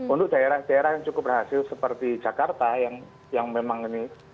untuk daerah daerah yang cukup berhasil seperti jakarta yang memang ini